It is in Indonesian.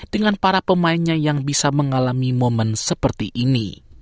dengan para pemainnya yang bisa mengalami momen seperti ini